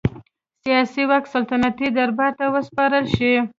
سیاسي واک سلطنتي دربار ته وسپارل شي.